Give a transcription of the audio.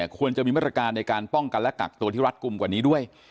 ควรจะมีมาตรการในการป้องกันและกักตัวที่รัฐกลุ่มกว่านี้ด้วย